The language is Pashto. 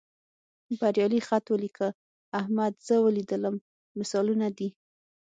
بریالي خط ولیکه، احمد زه ولیدلم مثالونه دي.